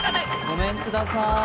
ごめんくださーい。